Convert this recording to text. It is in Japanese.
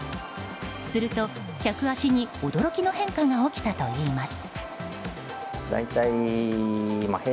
すると、客足に驚きの変化が起きたといいます。